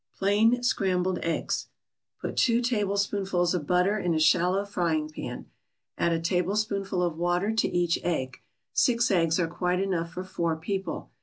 PLAIN SCRAMBLED EGGS Put two tablespoonfuls of butter in a shallow frying pan. Add a tablespoonful of water to each egg. Six eggs are quite enough for four people.